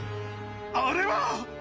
あれは！